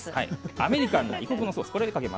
アメリカンな異国のソース。